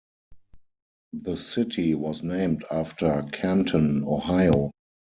The city was named after Canton, Ohio.